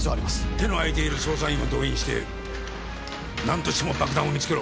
手の空いている捜査員を動員して何としても爆弾を見つけろ！